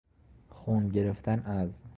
خون گرفتن از...